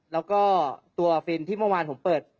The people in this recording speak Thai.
แล้วก็ตัวฟินที่เมื่อวานผมเปิด